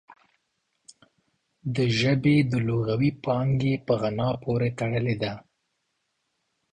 د ژبې د لغوي پانګې په غنا پورې تړلې ده